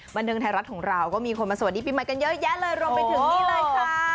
บันเทิงไทยรัฐของเราก็มีคนมาสวัสดีปีใหม่กันเยอะแยะเลยรวมไปถึงนี่เลยค่ะ